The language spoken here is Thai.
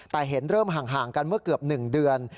แต่เห็นเริ่มห่างกันเมื่อเกือบ๑เดือน